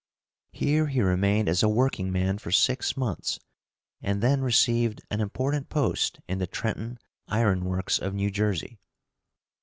Here he remained as a workingman for six months, and then received an important post in the Trenton Iron Works of New Jersey.